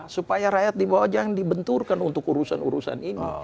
supaya rakyat di bawah jangan dibenturkan untuk urusan urusan ini